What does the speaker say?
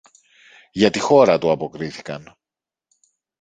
Για τη χώρα, του αποκρίθηκαν.